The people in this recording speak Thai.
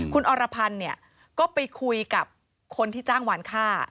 คุณอรพันธ์ก็ไปคุยกับคนที่จ้างหวานฆ่า